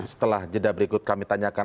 setelah jeda berikut kami tanyakan